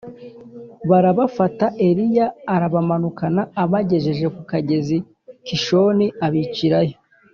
Barabafata Eliya arabamanukana abagejeje ku kagezi Kishoni, abicirayo